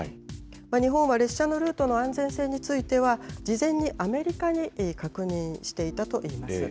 日本は列車のルートの安全性については事前にアメリカに確認していたと言います。